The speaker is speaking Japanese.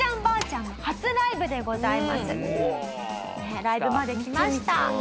ライブまできました。